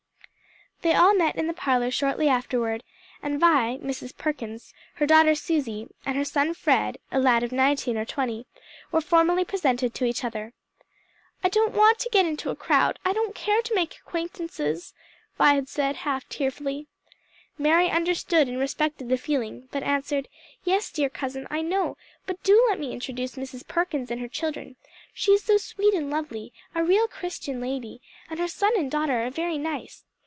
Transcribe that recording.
They all met in the parlor shortly afterward, and Vi, Mrs. Perkins, her daughter Susie, and her son Fred, a lad of nineteen or twenty, were formally presented to each other. "I don't want to get into a crowd; I don't care to make acquaintances," Vi had said, half tearfully. Mary understood and respected the feeling, but answered, "Yes, dear cousin, I know: but do let me introduce Mrs. Perkins and her children. She is so sweet and lovely, a real Christian lady; and her son and daughter are very nice.